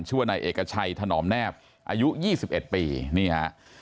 ช่วยว่านายเอกชัยถนอมแนบอายุ๒๑ปี